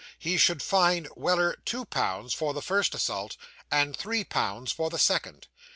He should fine Weller two pounds for the first assault, and three pounds for the second.